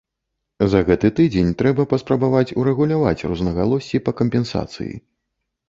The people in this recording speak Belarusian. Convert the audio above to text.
За гэты тыдзень трэба паспрабаваць урэгуляваць рознагалоссі па кампенсацыі.